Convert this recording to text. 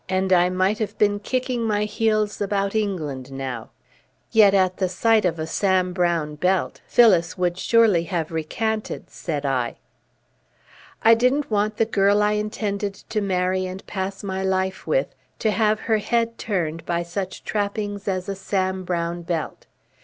And I might have been kicking my heels about England now." "Yet, at the sight of a Sam Browne belt, Phyllis would have surely recanted," said I. "I didn't want the girl I intended to marry and pass my life with to have her head turned by such trappings as a Sam Browne belt.